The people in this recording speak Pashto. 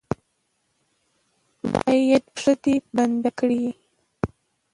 با ید پښه یې بنده کړي.